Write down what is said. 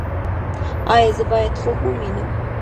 ایا زه باید خوب ووینم؟